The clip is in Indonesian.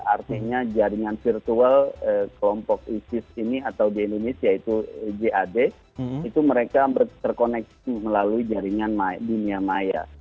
artinya jaringan virtual kelompok isis ini atau di indonesia itu jad itu mereka terkoneksi melalui jaringan dunia maya